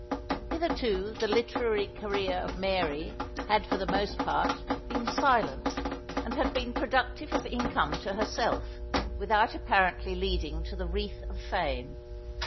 Hitherto the literary carreer of Mary, had for the most part, been silent; and had been productive of income to herself, without apparently leading to the wreath of fame.